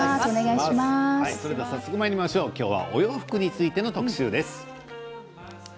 今日はお洋服についての特集です。